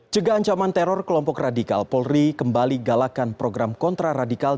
cegah ancaman teror kelompok radikal polri kembali galakan program kontraradikal